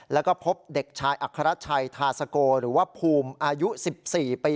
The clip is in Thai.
แล้วก็พบเด็กชายอัครชัยทาสโกหรือว่าภูมิอายุ๑๔ปี